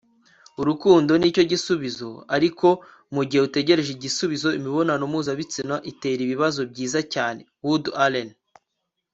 urukundo nicyo gisubizo, ariko mugihe utegereje igisubizo, imibonano mpuzabitsina itera ibibazo byiza cyane - woody allen